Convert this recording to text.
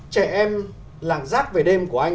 trẻ em làng giác về đêm của anh